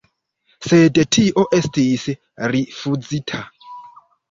Sed tio estis rifuzita.